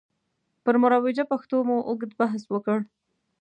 پر مروجه پښتو مو اوږد بحث وکړ.